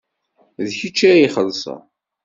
D kečč ad ixellṣen.